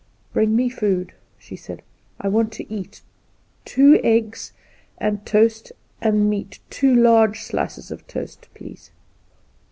"Bring me food," she said, "I want to eat. Two eggs, and toast, and meat two large slices of toast, please."